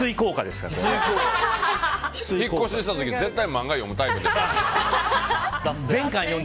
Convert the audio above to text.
引っ越しした時絶対漫画読むタイプじゃん。